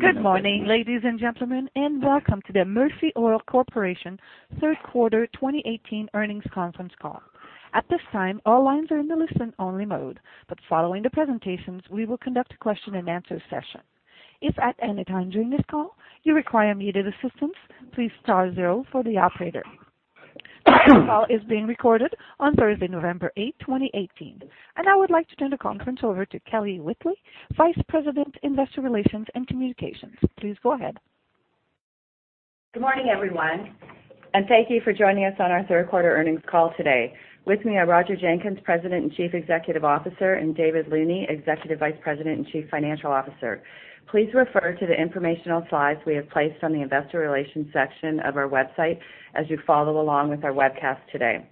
Good morning, ladies and gentlemen, welcome to the Murphy Oil Corporation third quarter 2018 earnings conference call. At this time, all lines are in the listen-only mode, but following the presentations, we will conduct a question and answer session. If at any time during this call you require immediate assistance, please star zero for the operator. This call is being recorded on Thursday, November 8, 2018. I would like to turn the conference over to Kelly Whitley, Vice President, Investor Relations and Communications. Please go ahead. Good morning, everyone, thank you for joining us on our third quarter earnings call today. With me are Roger Jenkins, President and Chief Executive Officer, David Looney, Executive Vice President and Chief Financial Officer. Please refer to the informational slides we have placed on the investor relations section of our website as you follow along with our webcast today.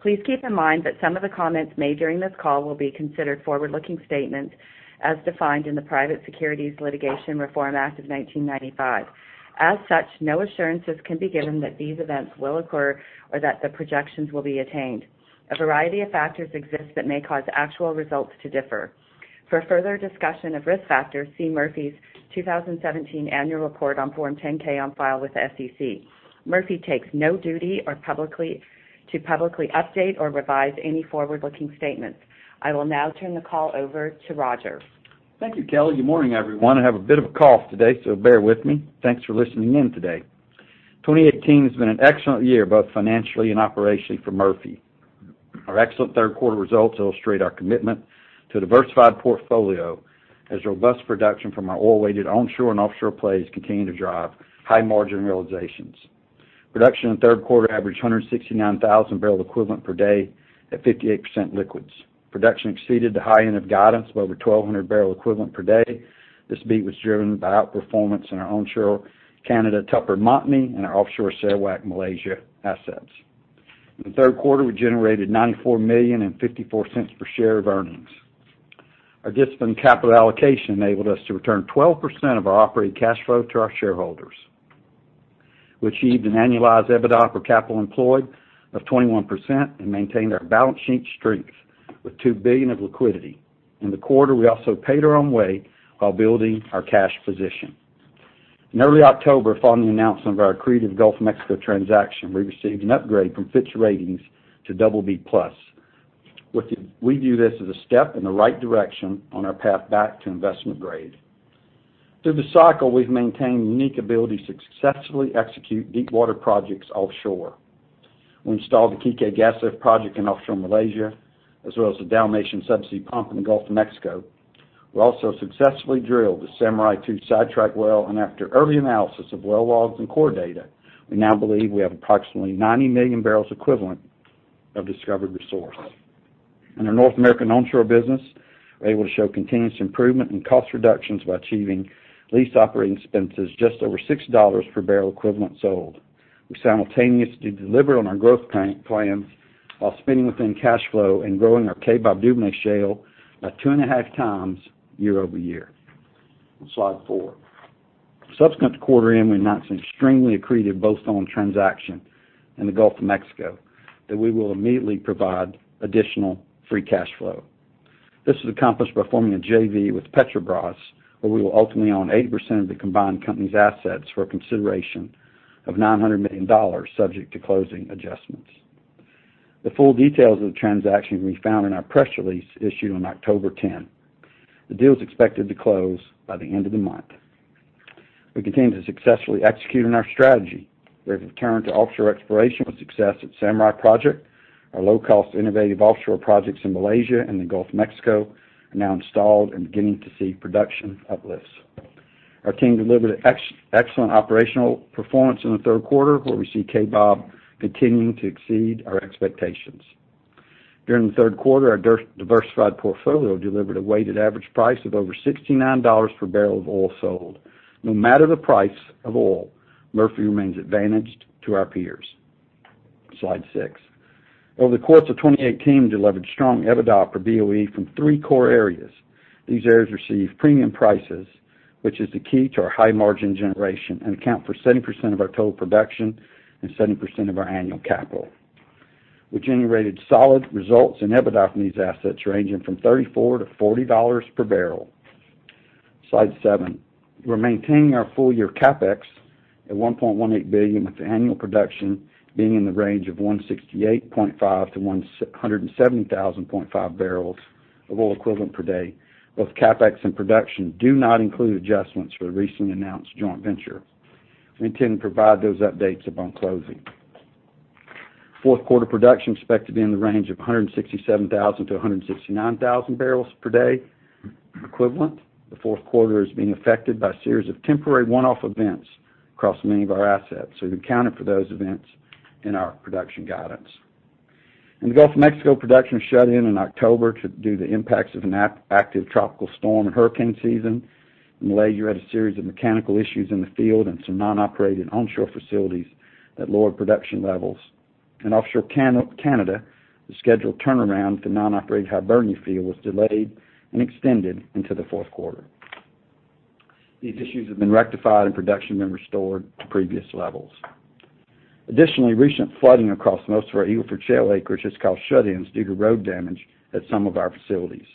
Please keep in mind that some of the comments made during this call will be considered forward-looking statements as defined in the Private Securities Litigation Reform Act of 1995. As such, no assurances can be given that these events will occur or that the projections will be attained. A variety of factors exist that may cause actual results to differ. For further discussion of risk factors, see Murphy's 2017 annual report on Form 10-K on file with the SEC. Murphy takes no duty to publicly update or revise any forward-looking statements. I will now turn the call over to Roger. Thank you, Kelly. Good morning, everyone. I have a bit of a cough today, bear with me. Thanks for listening in today. 2018 has been an excellent year, both financially and operationally for Murphy. Our excellent third quarter results illustrate our commitment to a diversified portfolio as robust production from our oil-weighted onshore and offshore plays continue to drive high margin realizations. Production in the third quarter averaged 169,000 barrel equivalent per day at 58% liquids. Production exceeded the high end of guidance of over 1,200 barrel equivalent per day. This beat was driven by outperformance in our onshore Canada Tupper Montney and our offshore Sarawak, Malaysia assets. In the third quarter, we generated $94 million and $0.54 per share of earnings. Our disciplined capital allocation enabled us to return 12% of our operating cash flow to our shareholders. We achieved an annualized EBITDA for capital employed of 21% and maintained our balance sheet strength with $2 billion of liquidity. In the quarter, we also paid our own way while building our cash position. In early October, following the announcement of our accretive Gulf of Mexico transaction, we received an upgrade from Fitch Ratings to BB+. We view this as a step in the right direction on our path back to investment grade. Through the cycle, we've maintained unique ability to successfully execute deepwater projects offshore. We installed the KK Gasfield project in offshore Malaysia, as well as the Dalmatian subsea pump in the Gulf of Mexico. We also successfully drilled the Samurai-2 sidetrack well, and after early analysis of well logs and core data, we now believe we have approximately 90 million barrels equivalent of discovered resource. In our North American onshore business, we're able to show continuous improvement in cost reductions by achieving lease operating expenses just over $6 per barrel equivalent sold. We simultaneously delivered on our growth plans while spending within cash flow and growing our Kaybob Duvernay Shale by two and a half times year-over-year. Slide four. Subsequent to quarter end, we announced an extremely accretive bolt-on transaction in the Gulf of Mexico that we will immediately provide additional free cash flow. This was accomplished by forming a JV with Petrobras, where we will ultimately own 80% of the combined company's assets for a consideration of $900 million, subject to closing adjustments. The full details of the transaction can be found in our press release issued on October 10. The deal is expected to close by the end of the month. We continue to successfully execute on our strategy. We have returned to offshore exploration with success at Samurai project. Our low-cost innovative offshore projects in Malaysia and the Gulf of Mexico are now installed and beginning to see production uplifts. Our team delivered an excellent operational performance in the third quarter, where we see Kaybob continuing to exceed our expectations. During the third quarter, our diversified portfolio delivered a weighted average price of over $69 per barrel of oil sold. No matter the price of oil, Murphy remains advantaged to our peers. Slide six. Over the course of 2018, we delivered strong EBITDA for BOE from three core areas. These areas receive premium prices, which is the key to our high margin generation, and account for 70% of our total production and 70% of our annual capital. We generated solid results in EBITDA from these assets, ranging from $34 to $40 per barrel. Slide seven. We're maintaining our full-year CapEx at $1.18 billion, with annual production being in the range of 168.5 to 170,000.5 barrels of oil equivalent per day. Both CapEx and production do not include adjustments for the recently announced joint venture. We intend to provide those updates upon closing. Fourth quarter production is expected to be in the range of 167,000 to 169,000 barrels per day equivalent. The fourth quarter is being affected by a series of temporary one-off events across many of our assets, so we've accounted for those events in our production guidance. In the Gulf of Mexico, production was shut in in October due to the impacts of an active tropical storm and hurricane season. In Malaysia, we had a series of mechanical issues in the field and some non-operated onshore facilities that lowered production levels. In offshore Canada, the scheduled turnaround for non-operated Hibernia field was delayed and extended into the fourth quarter. These issues have been rectified, and production been restored to previous levels. Additionally, recent flooding across most of our Eagle Ford Shale acreage has caused shut-ins due to road damage at some of our facilities.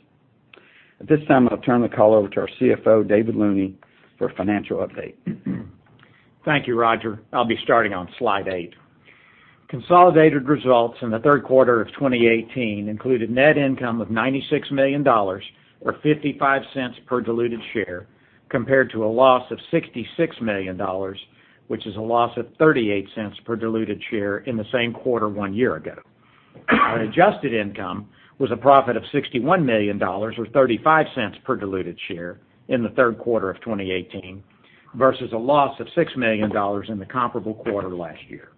At this time, I'll turn the call over to our CFO, David Looney, for financial update. Thank you, Roger. I'll be starting on slide eight. Consolidated results in the third quarter of 2018 included net income of $96 million, or $0.55 per diluted share, compared to a loss of $66 million, which is a loss of $0.38 per diluted share in the same quarter one year ago. Our adjusted income was a profit of $61 million, or $0.35 per diluted share in the third quarter of 2018, versus a loss of $6 million in the comparable quarter last year.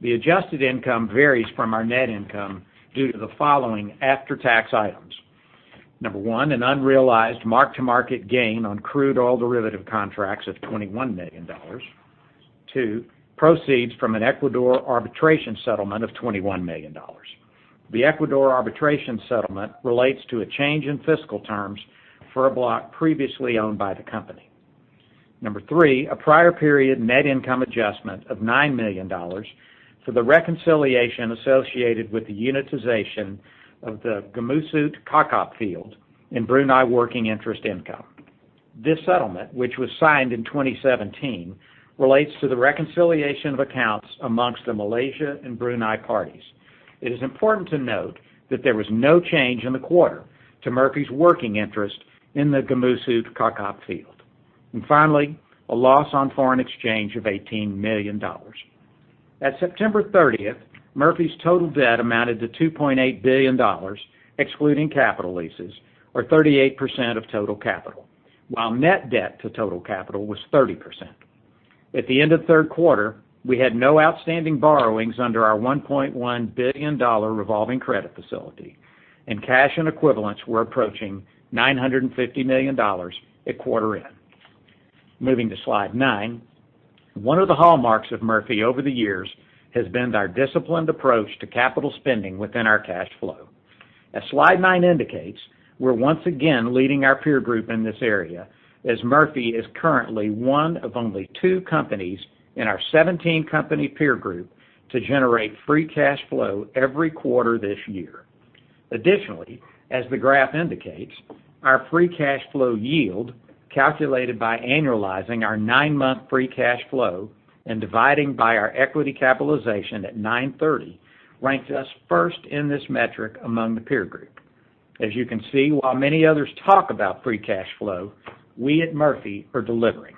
The adjusted income varies from our net income due to the following after-tax items. Number one, an unrealized mark-to-market gain on crude oil derivative contracts of $21 million. Two, proceeds from an Ecuador arbitration settlement of $21 million. The Ecuador arbitration settlement relates to a change in fiscal terms for a block previously owned by the company. Number three, a prior period net income adjustment of $9 million for the reconciliation associated with the unitization of the Gemusut-Kakap field in Brunei working interest income. This settlement, which was signed in 2017, relates to the reconciliation of accounts amongst the Malaysia and Brunei parties. It is important to note that there was no change in the quarter to Murphy's working interest in the Gemusut-Kakap field. Finally, a loss on foreign exchange of $18 million. At September 30th, Murphy's total debt amounted to $2.8 billion, excluding capital leases, or 38% of total capital, while net debt to total capital was 30%. At the end of the third quarter, we had no outstanding borrowings under our $1.1 billion revolving credit facility, and cash and equivalents were approaching $950 million at quarter end. Moving to slide nine. One of the hallmarks of Murphy over the years has been our disciplined approach to capital spending within our cash flow. As slide nine indicates, we're once again leading our peer group in this area, as Murphy is currently one of only two companies in our 17-company peer group to generate free cash flow every quarter this year. Additionally, as the graph indicates, our free cash flow yield, calculated by annualizing our nine-month free cash flow and dividing by our equity capitalization at 9/30, ranks us first in this metric among the peer group. As you can see, while many others talk about free cash flow, we at Murphy are delivering.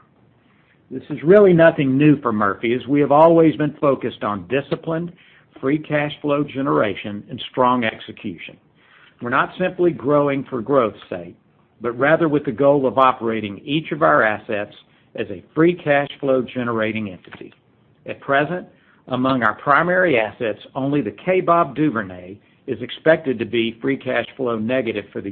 This is really nothing new for Murphy, as we have always been focused on disciplined free cash flow generation and strong execution. We're not simply growing for growth's sake, but rather with the goal of operating each of our assets as a free cash flow generating entity. At present, among our primary assets, only the Kaybob Duvernay is expected to be free cash flow negative for the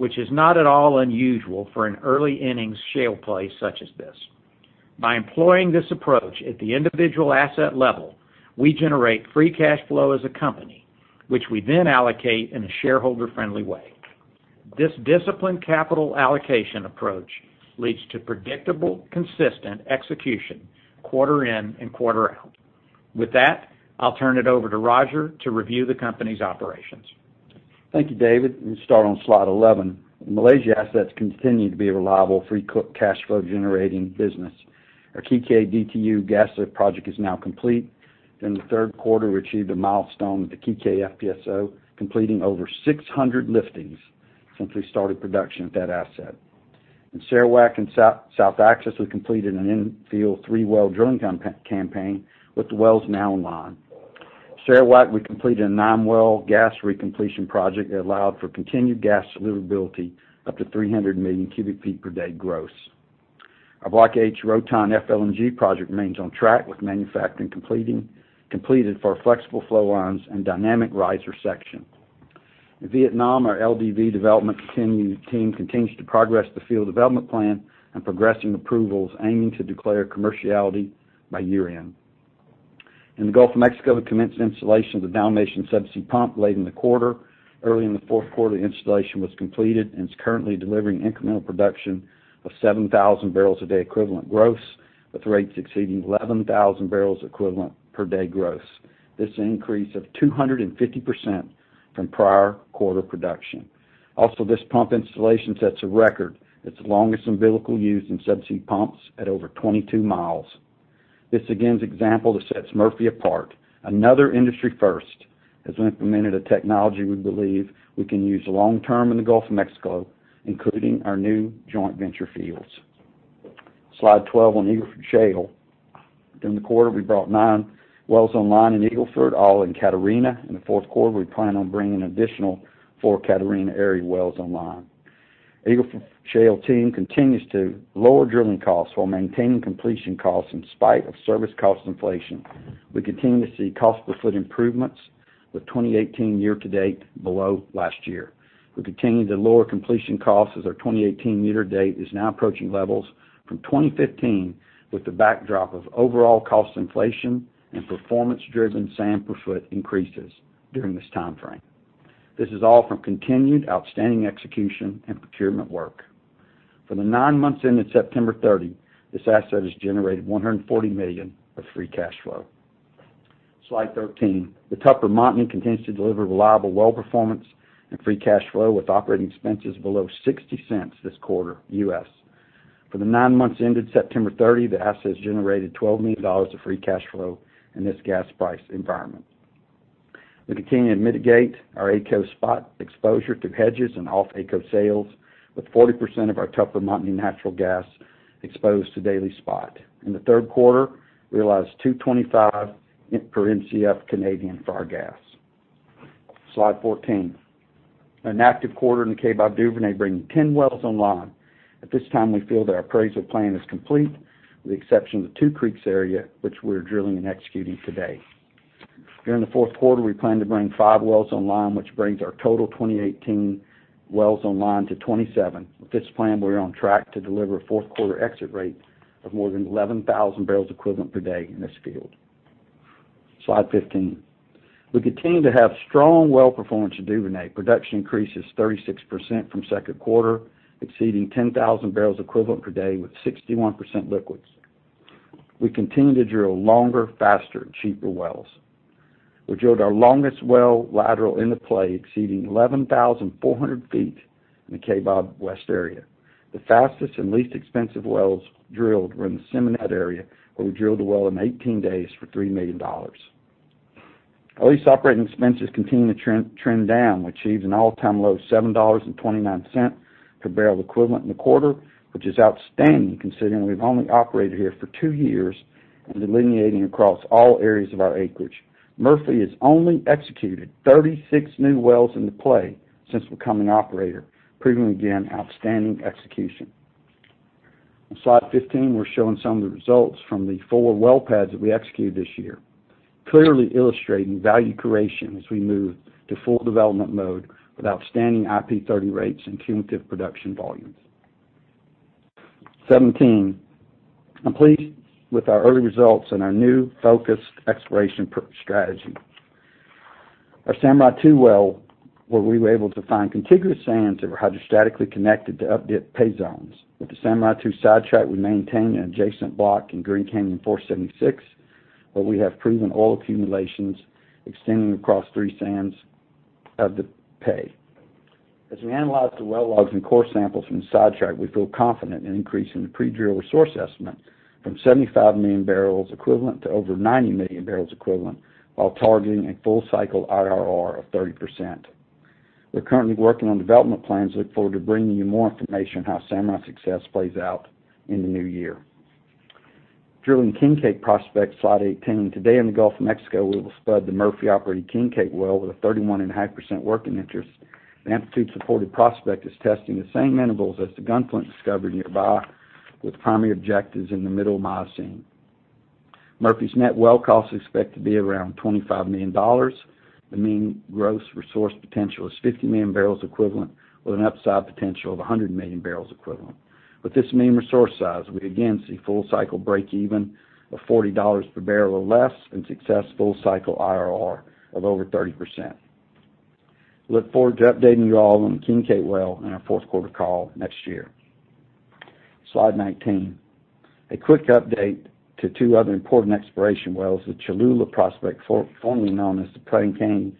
year, which is not at all unusual for an early innings shale play such as this. By employing this approach at the individual asset level, we generate free cash flow as a company, which we then allocate in a shareholder-friendly way. This disciplined capital allocation approach leads to predictable, consistent execution quarter in and quarter out. With that, I'll turn it over to Roger to review the company's operations. Thank you, David. We start on slide 11. Malaysia assets continue to be a reliable free cash flow generating business. Our Kikeh DTU gas lift project is now complete. During the third quarter, we achieved a milestone with the Kikeh FPSO completing over 600 liftings since we started production at that asset. In Sarawak and South Acis, we completed an in-field three-well drilling campaign with the wells now online. In Sarawak, we completed a nine-well gas recompletion project that allowed for continued gas deliverability up to 300 million cubic feet per day gross. Our Block H Rotan FLNG project remains on track with manufacturing completed for our flexible flow lines and dynamic riser section. In Vietnam, our LDV development team continues to progress the field development plan and progressing approvals aiming to declare commerciality by year end. In the Gulf of Mexico, we commenced installation of the Dalmatian subsea pump late in the quarter. Early in the fourth quarter, the installation was completed and is currently delivering incremental production of 7,000 barrels a day equivalent gross, with rates exceeding 11,000 barrels equivalent per day gross. This is an increase of 250% from prior quarter production. Also, this pump installation sets a record. It's the longest umbilical used in subsea pumps at over 22 miles. This again is an example that sets Murphy apart. Another industry first, as we implemented a technology we believe we can use long-term in the Gulf of Mexico, including our new joint venture fields. Slide 12 on Eagle Ford Shale. During the quarter, we brought nine wells online in Eagle Ford, all in Catarina. In the fourth quarter, we plan on bringing additional four Catarina area wells online. Eagle Ford Shale team continues to lower drilling costs while maintaining completion costs in spite of service cost inflation. We continue to see cost per foot improvements, with 2018 year to date below last year. We continue to lower completion costs as our 2018 year to date is now approaching levels from 2015 with the backdrop of overall cost inflation and performance-driven sand per foot increases during this time frame. This is all from continued outstanding execution and procurement work. For the nine months ended September 30, this asset has generated $140 million of free cash flow. Slide 13. The Tupper Montney continues to deliver reliable well performance and free cash flow with operating expenses below $0.60 this quarter, US. For the nine months ended September 30, the asset has generated $12 million of free cash flow in this gas price environment. We continue to mitigate our AECO spot exposure through hedges and off-AECO sales, with 40% of our Tupper Montney natural gas exposed to daily spot. In the third quarter, we realized 2.25 per Mcf Canadian for our gas. Slide 14. An active quarter in the Kaybob Duvernay, bringing 10 wells online. At this time, we feel that our appraisal plan is complete, with the exception of the Two Creeks area, which we're drilling and executing today. During the fourth quarter, we plan to bring five wells online, which brings our total 2018 wells online to 27. With this plan, we're on track to deliver a fourth quarter exit rate of more than 11,000 barrels equivalent per day in this field. Slide 15. We continue to have strong well performance at Duvernay. Production increase is 36% from second quarter, exceeding 10,000 barrels equivalent per day with 61% liquids. We continue to drill longer, faster, cheaper wells. We drilled our longest well lateral in the play, exceeding 11,400 feet in the Kaybob West area. The fastest and least expensive wells drilled were in the Simonette area, where we drilled the well in 18 days for $3 million. Our lease operating expenses continue to trend down. We achieved an all-time low of $7.29 per barrel equivalent in the quarter, which is outstanding considering we've only operated here for two years and delineating across all areas of our acreage. Murphy has only executed 36 new wells in the play since becoming operator, proving again outstanding execution. On slide 15, we're showing some of the results from the four well pads that we executed this year, clearly illustrating value creation as we move to full development mode with outstanding IP30 rates and cumulative production volumes. Seventeen. I'm pleased with our early results and our new focused exploration strategy. Our Samurai 2 well, where we were able to find contiguous sands that were hydrostatically connected to updip pay zones. With the Samurai 2 sidetrack, we maintain an adjacent block in Green Canyon 476, where we have proven oil accumulations extending across three sands of the pay. As we analyze the well logs and core samples from the sidetrack, we feel confident in increasing the pre-drill resource estimate from 75 million barrels equivalent to over 90 million barrels equivalent while targeting a full-cycle IRR of 30%. We're currently working on development plans and look forward to bringing you more information on how Samurai's success plays out in the new year. Drilling King Cake prospect, slide 18. Today in the Gulf of Mexico, we will spud the Murphy-operated King Cake well with a 31.5% working interest. The amplitude-supported prospect is testing the same intervals as the Gunflint discovery nearby, with primary objectives in the Middle Miocene. Murphy's net well costs expect to be around $25 million. The mean gross resource potential is 50 million barrels equivalent, with an upside potential of 100 million barrels equivalent. With this mean resource size, we again see full cycle break even of $40 per barrel or less and successful cycle IRR of over 30%. Look forward to updating you all on the King Cake well in our fourth quarter call next year. Slide 19. A quick update to two other important exploration wells. The Cholula prospect, formerly known as the Praying Cane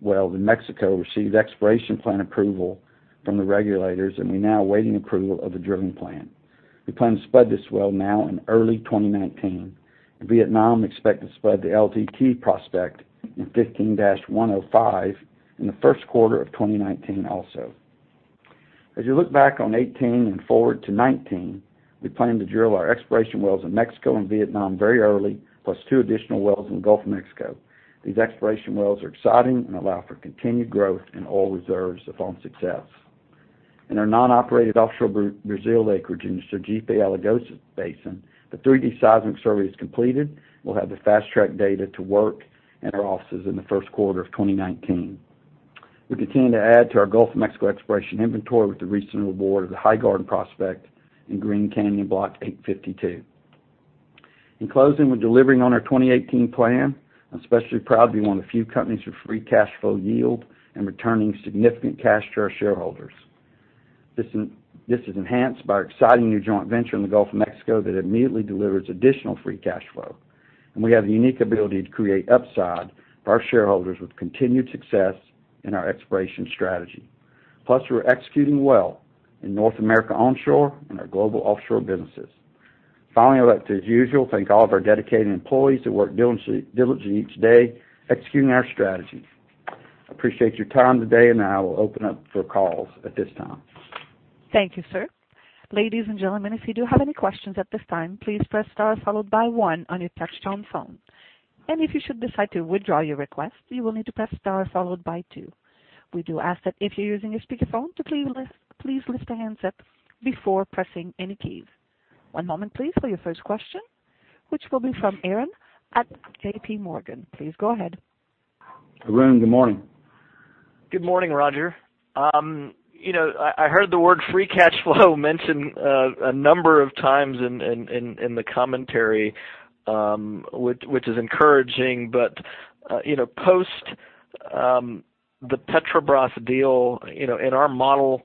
well in Mexico, received exploration plan approval from the regulators, and we're now awaiting approval of the drilling plan. We plan to spud this well now in early 2019. In Vietnam, we expect to spud the LDT prospect in Block 15-1/05 in the first quarter of 2019 also. As you look back on 2018 and forward to 2019, we plan to drill our exploration wells in Mexico and Vietnam very early, plus two additional wells in the Gulf of Mexico. These exploration wells are exciting and allow for continued growth in oil reserves upon success. In our non-operated offshore Brazil acreage in the Sergipe-Alagoas Basin, the 3D seismic survey is completed. We'll have the fast-track data to work in our offices in the first quarter of 2019. We continue to add to our Gulf of Mexico exploration inventory with the recent award of the High Garden prospect in Green Canyon Block 852. In closing, we're delivering on our 2018 plan. I'm especially proud to be one of the few companies with free cash flow yield and returning significant cash to our shareholders. This is enhanced by our exciting new joint venture in the Gulf of Mexico that immediately delivers additional free cash flow. We have the unique ability to create upside for our shareholders with continued success in our exploration strategy. We're executing well in North America onshore and our global offshore businesses. Finally, I'd like to, as usual, thank all of our dedicated employees that work diligently each day executing our strategy. I appreciate your time today. I will open up for calls at this time. Thank you, sir. Ladies and gentlemen, if you do have any questions at this time, please press star followed by one on your touch-tone phone. If you should decide to withdraw your request, you will need to press star followed by two. We do ask that if you're using a speakerphone, to please lift the handset before pressing any keys. One moment please for your first question, which will be from Arun at JPMorgan. Please go ahead. Arun, good morning. Good morning, Roger. I heard the word free cash flow mentioned a number of times in the commentary, which is encouraging. Post the Petrobras deal, in our model,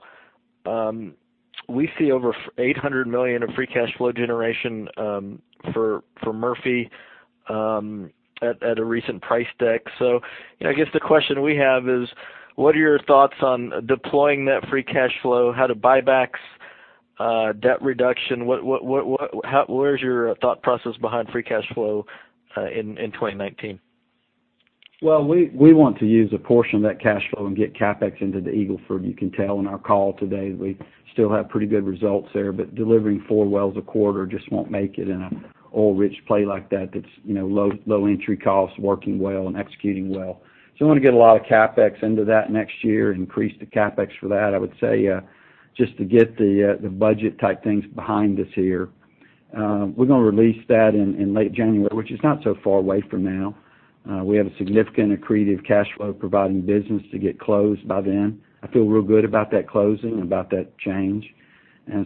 we see over $800 million of free cash flow generation for Murphy at a recent price deck. I guess the question we have is: What are your thoughts on deploying that free cash flow? How to buybacks debt reduction? Where's your thought process behind free cash flow in 2019? We want to use a portion of that cash flow and get CapEx into the Eagle Ford. You can tell in our call today, we still have pretty good results there, but delivering four wells a quarter just won't make it in an oil-rich play like that's low entry costs, working well, and executing well. We want to get a lot of CapEx into that next year, increase the CapEx for that, I would say, just to get the budget type things behind us here. We're going to release that in late January, which is not so far away from now. We have a significant accretive cash flow providing business to get closed by then. I feel real good about that closing and about that change.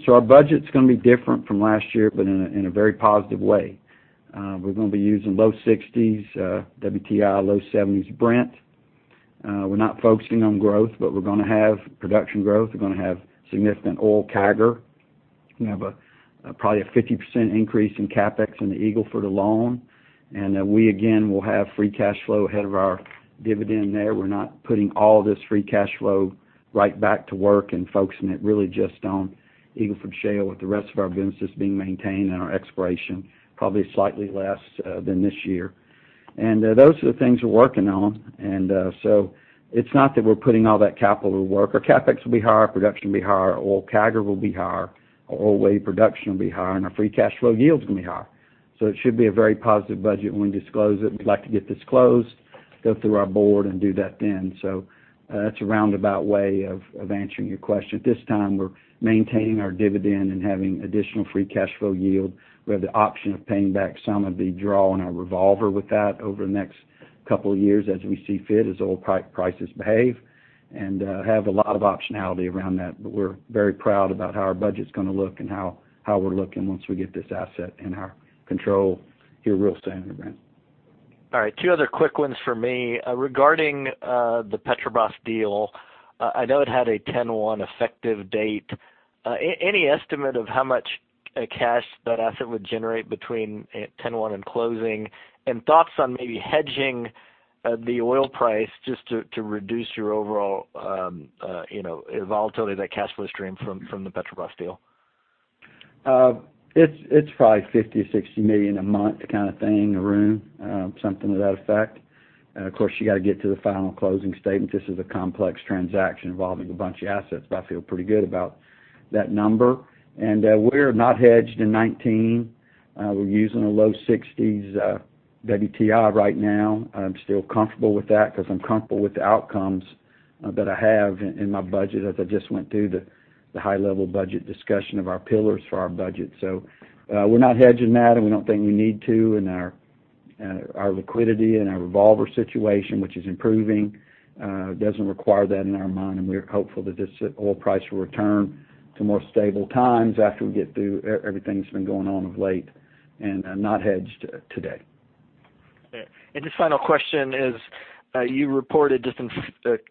Our budget's going to be different from last year, but in a very positive way. We're going to be using low 60s WTI, low 70s Brent. We're not focusing on growth, but we're going to have production growth. We're going to have significant oil CAGR. We have probably a 50% increase in CapEx in the Eagle Ford alone. We, again, will have free cash flow ahead of our dividend there. We're not putting all this free cash flow right back to work and focusing it really just on Eagle Ford Shale with the rest of our business being maintained and our exploration probably slightly less than this year. Those are the things we're working on. It's not that we're putting all that capital to work. Our CapEx will be higher, our production will be higher, our oil CAGR will be higher, our oil well production will be higher, and our free cash flow yield is going to be higher. It should be a very positive budget when we disclose it. We'd like to get this closed, go through our board, and do that then. That's a roundabout way of answering your question. At this time, we're maintaining our dividend and having additional free cash flow yield. We have the option of paying back some of the draw on our revolver with that over the next couple of years, as we see fit, as oil prices behave, and have a lot of optionality around that. We're very proud about how our budget's going to look and how we're looking once we get this asset in our control here real soon. All right. Two other quick ones for me. Regarding the Petrobras deal, I know it had a 10/1 effective date. Any estimate of how much cash that asset would generate between 10/1 and closing and thoughts on maybe hedging the oil price just to reduce your overall volatility of that cash flow stream from the Petrobras deal? It's probably $50 million-$60 million a month kind of thing, Arun, something to that effect. Of course, you got to get to the final closing statement. This is a complex transaction involving a bunch of assets, but I feel pretty good about that number. We're not hedged in 2019. We're using a low 60s WTI right now. I'm still comfortable with that because I'm comfortable with the outcomes that I have in my budget as I just went through the high-level budget discussion of our pillars for our budget. We're not hedging that, and we don't think we need to in our liquidity and our revolver situation, which is improving. It doesn't require that in our mind, and we're hopeful that this oil price will return to more stable times after we get through everything that's been going on of late, and not hedged today. Okay. Just final question is, you reported just in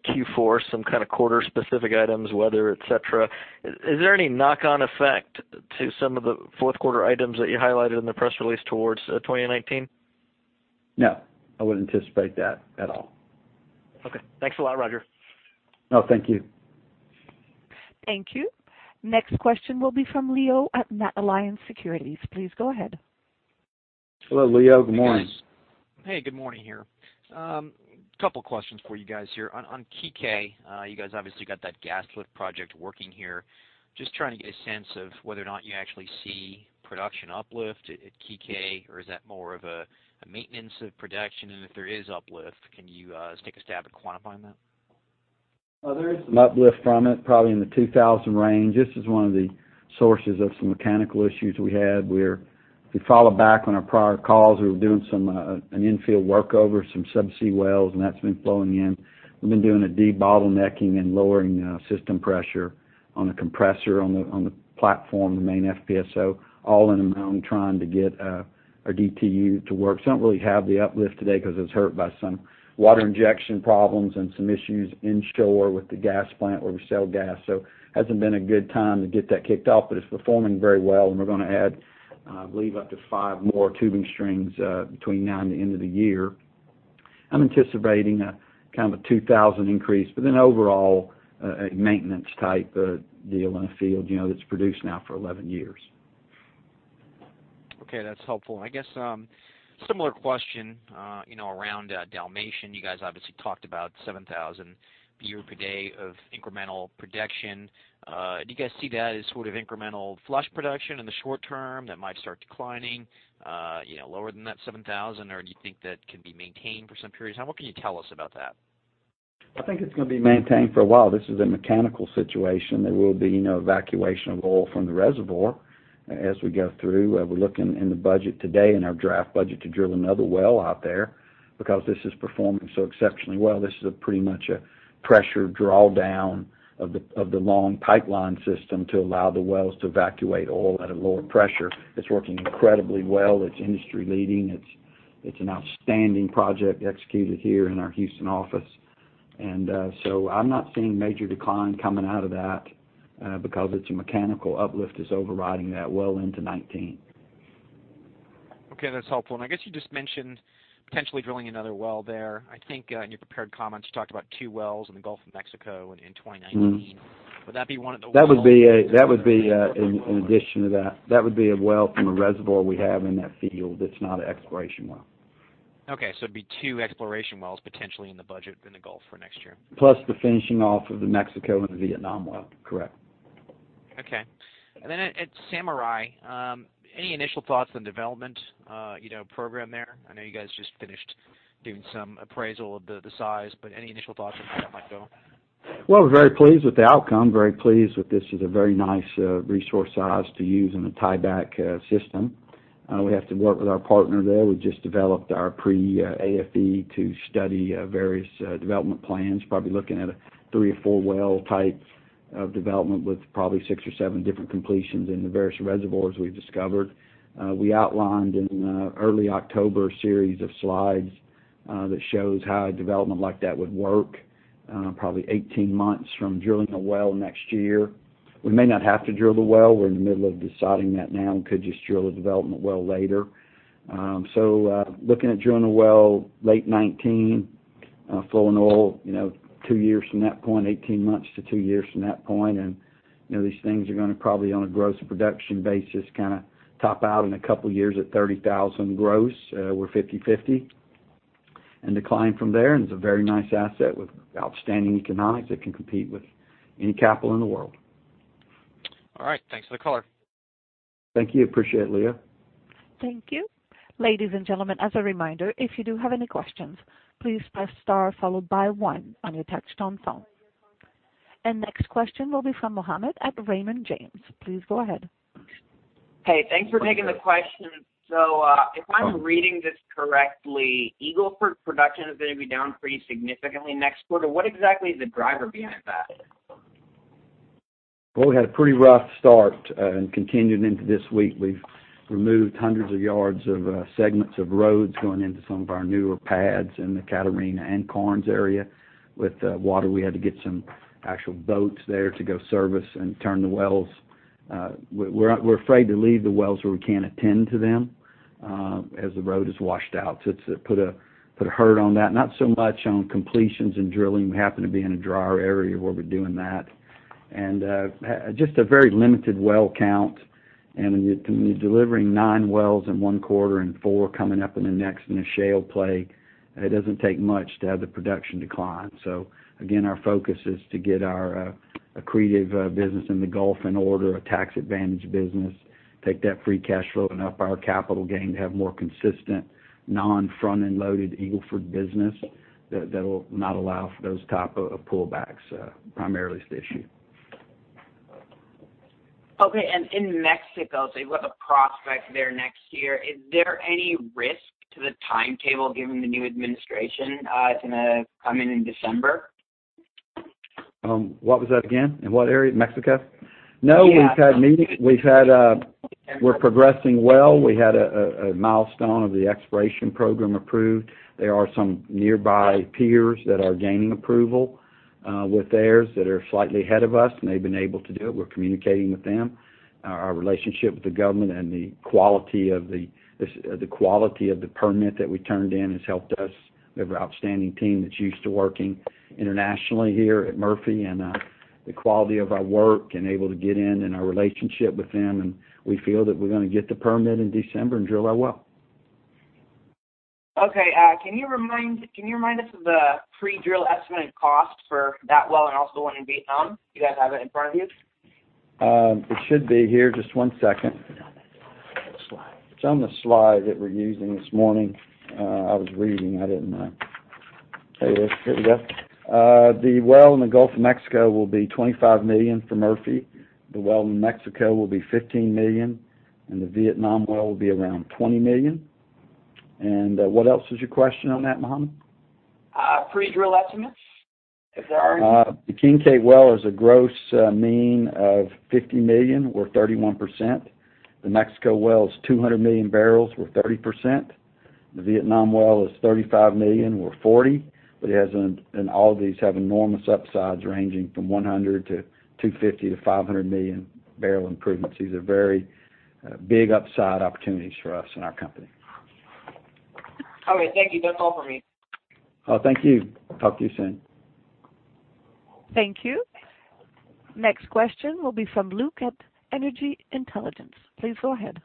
Q4 some kind of quarter specific items, weather, et cetera. Is there any knock-on effect to some of the fourth quarter items that you highlighted in the press release towards 2019? No, I wouldn't anticipate that at all. Okay. Thanks a lot, Roger. No, thank you. Thank you. Next question will be from Leo at NatAlliance Securities. Please go ahead. Hello, Leo. Good morning. Hey. Good morning here. Couple questions for you guys here. On Kikeh, you guys obviously got that gas lift project working here. Just trying to get a sense of whether or not you actually see production uplift at Kikeh, or is that more of a maintenance of production? If there is uplift, can you take a stab at quantifying that? There is some uplift from it, probably in the 2,000 range. This is one of the sources of some mechanical issues we had, where if we follow back on our prior calls, we were doing an infield workover, some subsea wells, and that's been flowing in. We've been doing a de-bottlenecking and lowering system pressure on the compressor on the platform, the main FPSO, all in and around trying to get our DTU to work. Don't really have the uplift today because it was hurt by some water injection problems and some issues in shore with the gas plant where we sell gas. Hasn't been a good time to get that kicked off, but it's performing very well, and we're going to add, I believe, up to five more tubing strings between now and the end of the year. I'm anticipating a kind of a 2,000 increase, but then overall, a maintenance type of deal in a field that's produced now for 11 years. Okay. That's helpful. I guess, similar question around Dalmatian. You guys obviously talked about 7,000 BOE per day of incremental production. Do you guys see that as sort of incremental flush production in the short term that might start declining lower than that 7,000? Do you think that can be maintained for some period of time? What can you tell us about that? I think it's going to be maintained for a while. This is a mechanical situation. There will be no evacuation of oil from the reservoir as we go through. We're looking in the budget today, in our draft budget, to drill another well out there because this is performing so exceptionally well. This is pretty much a pressure drawdown of the long pipeline system to allow the wells to evacuate oil at a lower pressure. It's working incredibly well. It's industry-leading. It's an outstanding project executed here in our Houston office. I'm not seeing major decline coming out of that, because it's a mechanical uplift is overriding that well into 2019. Okay, that's helpful. I guess you just mentioned potentially drilling another well there. I think in your prepared comments, you talked about two wells in the Gulf of Mexico in 2019. Would that be one of the wells? That would be an addition to that. That would be a well from a reservoir we have in that field. It's not an exploration well. Okay, it would be two exploration wells potentially in the budget in the Gulf for next year. The finishing off of the Mexico and the Vietnam well. Correct. Okay. At Samurai, any initial thoughts on development program there? I know you guys just finished doing some appraisal of the size, any initial thoughts on how that might go? Well, we are very pleased with the outcome, very pleased with this. It is a very nice resource size to use in a tieback system. We have to work with our partner there. We have just developed our pre-AFE to study various development plans, probably looking at a three or four-well type of development with probably six or seven different completions in the various reservoirs we have discovered. We outlined in early October a series of slides that shows how a development like that would work. Probably 18 months from drilling a well next year. We may not have to drill the well. We are in the middle of deciding that now, and could just drill a development well later. Looking at drilling a well late 2019, flowing oil 18 months to two years from that point. These things are going to probably, on a gross production basis, top out in a couple of years at 30,000 gross. We're 50/50. Decline from there, and it's a very nice asset with outstanding economics that can compete with any capital in the world. All right. Thanks for the color. Thank you. Appreciate it, Leo. Thank you. Ladies and gentlemen, as a reminder, if you do have any questions, please press star followed by one on your touchtone phone. Next question will be from Mohammed at Raymond James. Please go ahead. Thanks for taking the question. If I'm reading this correctly, Eagle Ford production is going to be down pretty significantly next quarter. What exactly is the driver behind that? Well, we had a pretty rough start, and continuing into this week, we've removed hundreds of yards of segments of roads going into some of our newer pads in the Catarina and Karnes area. With water, we had to get some actual boats there to go service and turn the wells. We're afraid to leave the wells where we can't attend to them, as the road is washed out. It's put a hurt on that. Not so much on completions and drilling. We happen to be in a drier area where we're doing that. Just a very limited well count. When you're delivering nine wells in one quarter and four coming up in the next in a shale play, it doesn't take much to have the production decline. Again, our focus is to get our accretive business in the Gulf in order, our tax advantage business, take that free cash flow and up our capital gain to have more consistent non-front-end loaded Eagle Ford business that will not allow for those type of pullbacks, primarily is the issue. Okay. In Mexico, you've got the prospect there next year. Is there any risk to the timetable given the new administration that's going to come in in December? What was that again? In what area? Mexico? Yeah. No, we're progressing well. We had a milestone of the exploration program approved. There are some nearby peers that are gaining approval with theirs that are slightly ahead of us, and they've been able to do it. We're communicating with them. Our relationship with the government and the quality of the permit that we turned in has helped us. We have an outstanding team that's used to working internationally here at Murphy, and the quality of our work and able to get in and our relationship with them, and we feel that we're going to get the permit in December and drill our well. Okay. Can you remind us of the pre-drill estimated cost for that well and also the one in Vietnam? Do you guys have it in front of you? It should be here. Just one second. It's on the slide that we're using this morning. I was reading. I didn't. There we go. The well in the Gulf of Mexico will be $25 million for Murphy. The well in Mexico will be $15 million, and the Vietnam well will be around $20 million. And what else was your question on that, Mohammed? Pre-drill estimates. If there are any. The King Cake well is a gross mean of 50 million barrels. We're 31%. The Mexico well is 200 million barrels. We're 30%. The Vietnam well is 35 million barrels. We're 40%. All of these have enormous upsides, ranging from 100 million to 250 million to 500 million barrel improvements. These are very big upside opportunities for us and our company. Okay. Thank you. That's all for me. Oh, thank you. Talk to you soon. Thank you. Next question will be from Luke at Energy Intelligence. Please go ahead.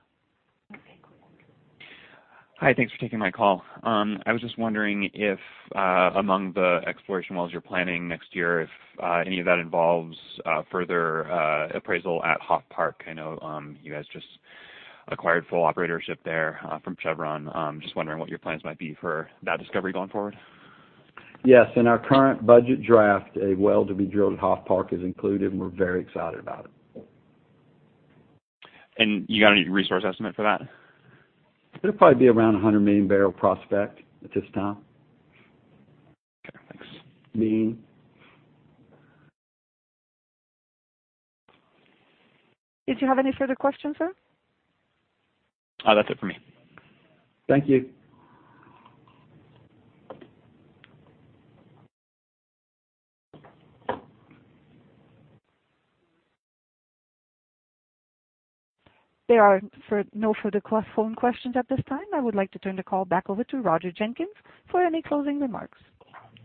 Hi. Thanks for taking my call. I was just wondering if among the exploration wells you're planning next year, if any of that involves further appraisal at Hoffe Park / Alpino. I know you guys just acquired full operatorship there from Chevron. Just wondering what your plans might be for that discovery going forward. Yes. In our current budget draft, a well to be drilled at Hoffe Park is included. We're very excited about it. You got any resource estimate for that? It'll probably be around 100 million barrel prospect at this time. Okay, thanks. Mean. Did you have any further questions, sir? That's it for me. Thank you. There are no further phone questions at this time. I would like to turn the call back over to Roger Jenkins for any closing remarks.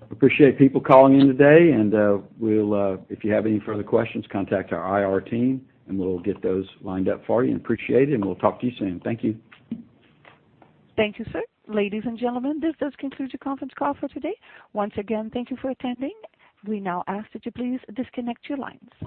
Appreciate people calling in today. If you have any further questions, contact our IR team, and we'll get those lined up for you. Appreciate it, we'll talk to you soon. Thank you. Thank you, sir. Ladies and gentlemen, this does conclude your conference call for today. Once again, thank you for attending. We now ask that you please disconnect your lines.